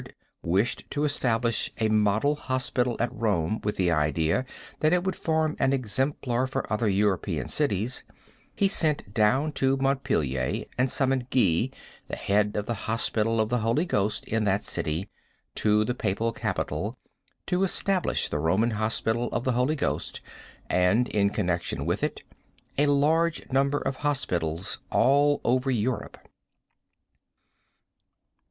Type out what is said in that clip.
wished to establish a model hospital at Rome with the idea that it would form an exemplar for other European cities, he sent down to Montpelier and summoned Guy, the head of the Hospital of the Holy Ghost in that city, to the Papal Capital to establish the Roman Hospital of the Holy Ghost and, in connection with it, a large number of hospitals all over Europe.